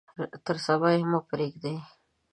تر صبا یې مه پریږدئ.